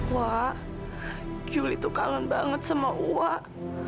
wak juli tuh kangen banget sama wak